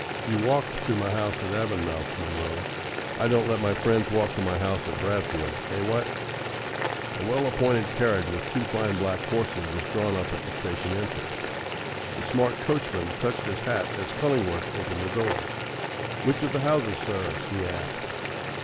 You walked to my house at Avonmouth, Munro. I don't let my friends walk to my house at Bradfield eh, what?" A well appointed carriage with two fine black horses was drawn up at the station entrance. The smart coachman touched his hat as Cullingworth opened the door. "Which of the houses, sir?" he asked.